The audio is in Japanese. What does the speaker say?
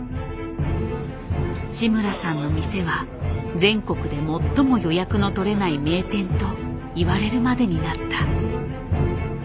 志村さんの店は全国で最も予約の取れない名店といわれるまでになった。